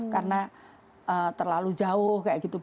karena terlalu jauh kayak gitu